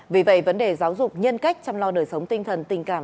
vì vậy vấn đề giáo dục nhân cách chăm lo đời sống tinh thần tình cảm